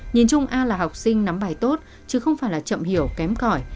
nhìn chung a là học sinh nắm bài tốt chứ không phải là chậm hiểu kém cõi